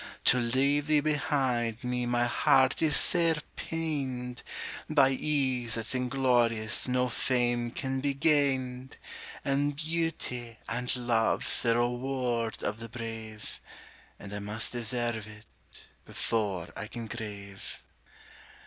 To leave thee behind me my heart is sair pained; By ease that's inglorious no fame can be gained; And beauty and love's the reward of the brave, And I must deserve it before I can crave.